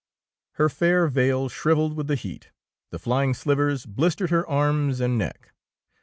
Her fair veil shrivelled with the heat, the flying slivers blistered her arms and neck.